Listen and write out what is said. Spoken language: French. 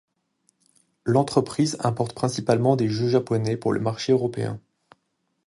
L'entreprise importe principalement des jeux japonais pour le marché européen.